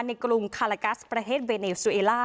กรุงคาลากัสประเทศเวเนลซูเอล่า